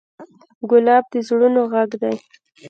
ګلاب د زړونو غږ دی.